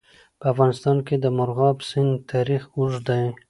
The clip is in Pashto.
په افغانستان کې د مورغاب سیند تاریخ اوږد دی.